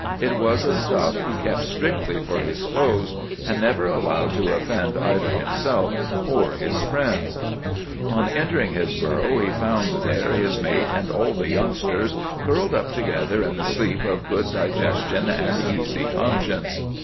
It was a stuff he kept strictly for his foes, and never allowed to offend either himself or his friends. On entering his burrow he found there his mate and all the youngsters, curled up together in the sleep of good digestion and easy conscience.